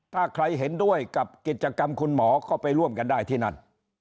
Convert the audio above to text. ถ้าใครเห็นด้วยกับกิจกรรมคุณหมอก็ไปร่วมกันได้ที่นั่น